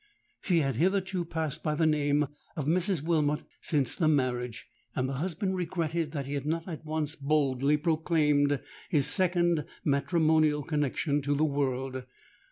She had hitherto passed by the name of Mrs. Wilmot since the marriage; and the husband regretted that he had not at once boldly proclaimed his second matrimonial connexion to the world.